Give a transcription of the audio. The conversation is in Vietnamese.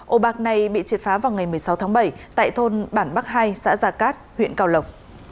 ổ bạc này bị triệt phá vào ngày một mươi sáu tháng bảy tại thôn bản bắc hai xã già cát huyện cao lộc